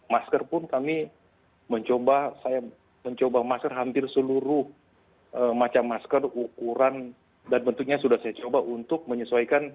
masker pun kami mencoba saya mencoba masker hampir seluruh macam masker ukuran dan bentuknya sudah saya coba untuk menyesuaikan